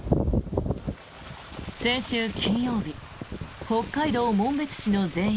先週金曜日北海道紋別市の全域